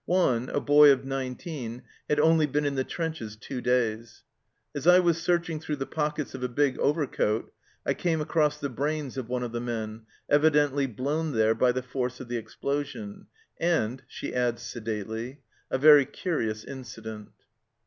One, a boy of nineteen, had only been in the trenches two days. As I was searching through the pockets of a big overcoat, I came across the brains of one of the men, evidently blown there by the force of the explosion " and she adds sedately, " a very curious incident."